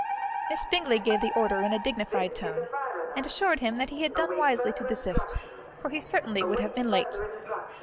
Miss Bingley gave the order in a dignified tone, and assured him that he had done wisely to desist, for he certainly would have been late.